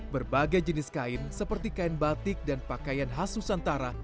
berbagai jenis kain seperti kain batik dan pakaian khas nusantara